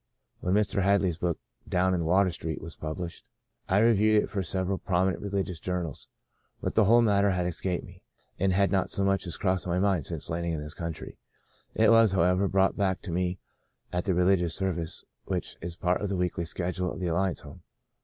When Mr. Hadley's book, * Down in Water Street/ was published, I reviewed it for several prominent religious journals. But the whole matter had escaped me, and had not so much as crossed my mind since landing in this country. It was, however, brought back to me at the religious service, which is part of the weekly schedule of the Alliance Home.